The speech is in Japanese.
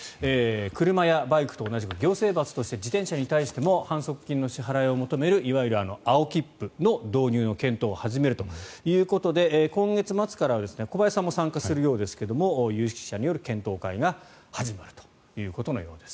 車やバイクと同じ、行政罰として自転車に対しても反則金の支払いを求めるいわゆる青切符の導入の検討を始めるということで今月末からは小林さんも参加するようですが有識者による検討会が始まるということのようです。